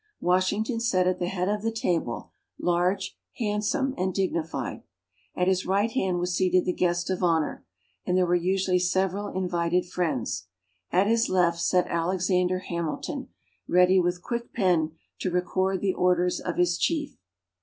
Washington sat at the head of the table, large, handsome and dignified. At his right hand was seated the guest of honor, and there were usually several invited friends. At his left sat Alexander Hamilton, ready with quick pen to record the orders of his chief.